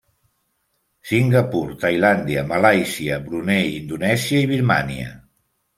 Singapur, Tailàndia, Malàisia, Brunei, Indonèsia i Birmània.